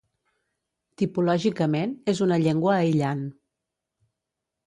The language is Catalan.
Tipològicament és una llengua aïllant.